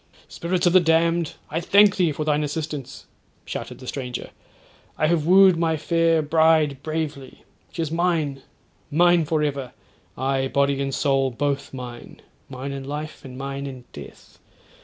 'Spirits of the damned, I thank thee for thine assistance,' shouted the stranger; 'I have wooed my fair bride bravely. She is mine—mine for ever.—Aye, body and soul both mine; mine in life, and mine in death.